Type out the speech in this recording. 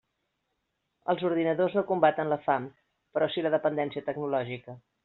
Els ordinadors no combaten la fam, però sí la dependència tecnològica.